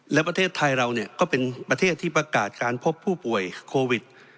และประเทศไทยเราก็เป็นประเทศที่ประกาศการพบผู้ป่วยโควิด